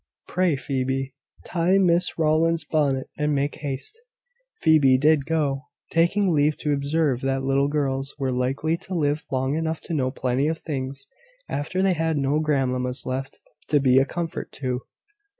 Pray, Phoebe, tie Miss Rowland's bonnet, and make haste." Phoebe did so, taking leave to observe that little girls were likely to live long enough to know plenty of things after they had no grandmammas left to be a comfort to.